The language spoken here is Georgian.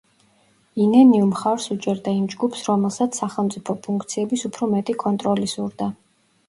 ინენიუ მხარს უჭერდა იმ ჯგუფს, რომელსაც სახელმწიფო ფუნქციების უფრო მეტი კონტროლი სურდა.